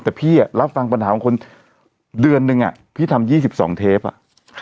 แต่พี่อ่ะรับฟังปัญหาของคนเดือนนึงอ่ะพี่ทำยี่สิบสองเทปอ่ะค่ะ